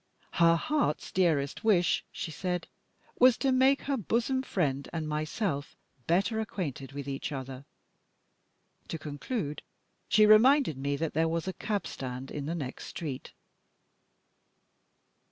Her heart's dearest wish, she said, was to make her bosom friend and myself better acquainted with each other. To conclude, she reminded me that there was a cab stand in the next street.